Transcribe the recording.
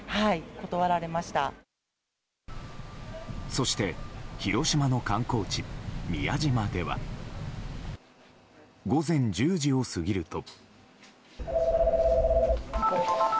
そして広島の観光地宮島では午前１０時を過ぎると。